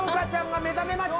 目覚めました。